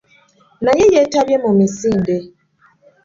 Naye yeetabye mu misinde.